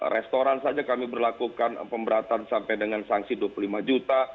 restoran saja kami berlakukan pemberatan sampai dengan sanksi dua puluh lima juta